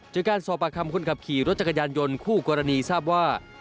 จากการสอบปากคำคนขับขี่รถจักรยานยนต์คู่กรณีทราบว่า